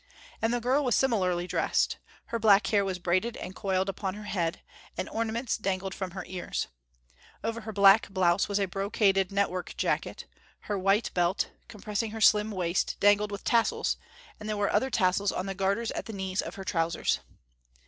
And the girl was similarly dressed. Her black hair was braided and coiled upon her head, and ornaments dangled from her ears. Over her black blouse was a brocaded network jacket; her white belt, compressing her slim waist, dangled with tassels; and there were other tassels on the garters at the knees of her trousers.